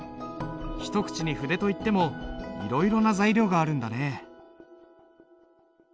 一口に筆といってもいろいろな材料があるんだね。